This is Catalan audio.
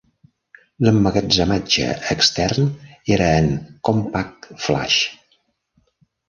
L"emmagatzematge extern era en CompactFlash.